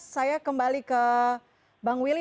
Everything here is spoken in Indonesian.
saya kembali ke bang willy